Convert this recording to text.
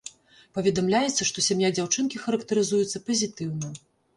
Паведамляецца, што сям'я дзяўчынкі характарызуецца пазітыўна.